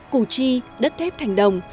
củ chi đất thép thành đồng